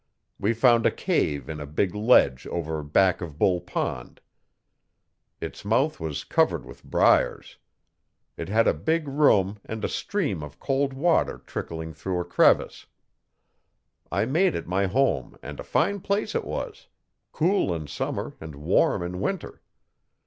We found a cave in a big ledge over back of Bull Pond. Its mouth was covered with briars. It had a big room and a stream of cold water trickling through a crevice. I made it my home and a fine place it was cool in summer and warm in winter.